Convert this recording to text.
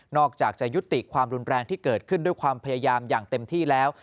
อกจากจะยุติความรุนแรงที่เกิดขึ้นด้วยความพยายามอย่างเต็มที่แล้ว